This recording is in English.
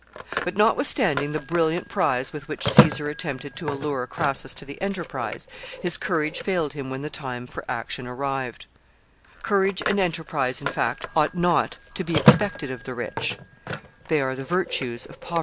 But, notwithstanding the brilliant prize with which Caesar attempted to allure Crassus to the enterprise, his courage failed him when the time for action arrived. Courage and enterprise, in fact, ought not to be expected of the rich; they are the virtues of poverty. [Sidenote: He is made aedile.] [Sidenote: Gladiatorial shows.